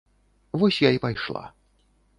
Вось я і пайшла.